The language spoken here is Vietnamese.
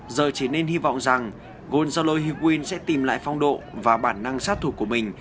giờ chỉ nên hy vọng rằng gonzalo hegin sẽ tìm lại phong độ và bản năng sát thủ của mình